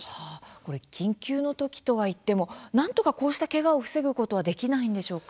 これ緊急の時とは言ってもなんとかこうしたけがを防ぐことはできないんでしょうか？